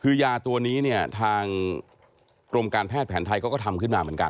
คือยาตัวนี้เนี่ยทางกรมการแพทย์แผนไทยเขาก็ทำขึ้นมาเหมือนกัน